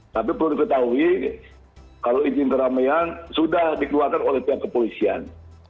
tapi perlu diketahui kalau izin keramaian sudah dikeluarkan oleh pihak kepolisian